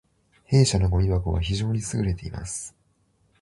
弊社のごみ箱は非常に優れています